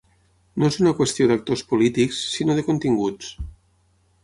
No és una qüestió d’actors polítics, sinó de continguts.